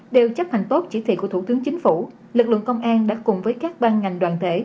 đều chấp hành tốt chỉ thị của thủ tướng chính phủ lực lượng công an đã cùng với các ban ngành đoàn thể